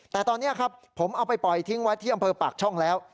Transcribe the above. แต่ตอนนี้ครับผมเอาไปปล่อยทิ้งไว้ที่อำเภอปากช่องแล้ว